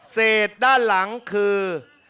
เศษด้านหลังคือ